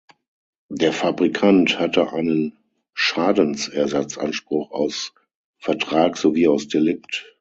Der Fabrikant hatte einen Schadensersatzanspruch aus Vertrag sowie aus Delikt.